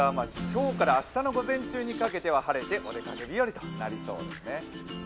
今日から明日にかけて晴れてお出かけ日和となりそうですね。